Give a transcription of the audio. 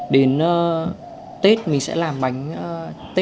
đến tết mình sẽ làm bánh tết bánh trưng một hai buổi